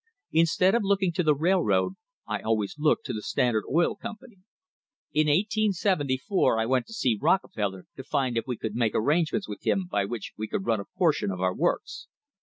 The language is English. Instead of looking to the railroad I always looked to the Standard Oil Com pany. In 1874 I went to see Rockefeller to find if we could make arrangements with him by which we could run a portion of our works.